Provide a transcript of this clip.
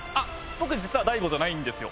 僕実はＤａｉＧｏじゃないんですよ。